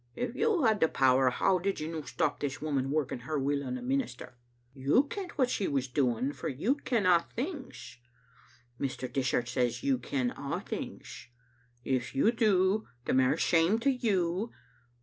If You had the power, how did You no stop this woman working her will on the minister? You kent what she was doing, for You ken a* things. Mr. Dishart says You ken a* things. If You do, the mair shame to You.